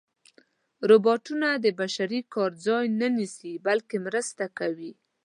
روبوټونه د بشري کار ځای نه نیسي، بلکې مرسته کوي.